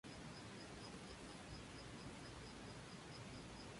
Nació en New Haven, Connecticut, y fue criado en College Station, Texas.